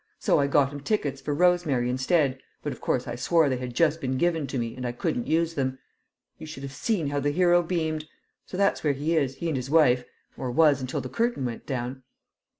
So I got him tickets for 'Rosemary' instead, but of course I swore they had just been given to me and I couldn't use them. You should have seen how the hero beamed! So that's where he is, he and his wife or was, until the curtain went down."